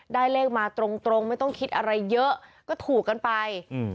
ได้เลขมาตรงไม่ต้องคิดอะไรเยอะก็ถูกกันไป